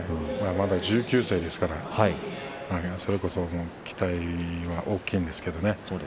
まだ１９歳ですからそれこそ期待は大きいんですけれどもね